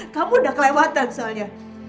kamu udah kelewatan soalnya